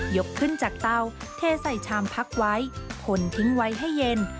ยกขึ้นจากเตาเทใส่ชามพักไว้คนทิ้งไว้ให้เย็น